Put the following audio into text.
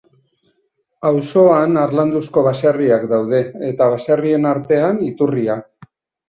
Auzoan harlanduzko baserriak daude; eta, baserrien artean, iturria.